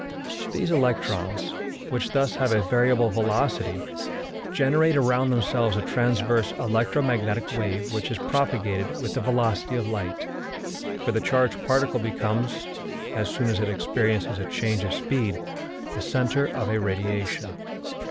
These electrons, which thus have a variable velocity, generate around themselves a transverse electromagnetic wave which is propagated with the velocity of light; for the charged particle becomes, as soon as it experiences a change of speed, the centre of a radiation.